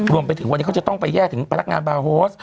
รวมไปถึงวันนี้เขาจะต้องไปแยกถึงพนักงานบาร์โฮส